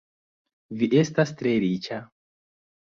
Vi estas tre riĉa?